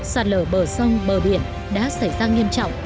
sạt lở bờ sông bờ biển đã xảy ra nghiêm trọng